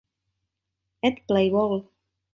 At Play Vol.